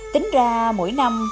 tính ra mỗi năm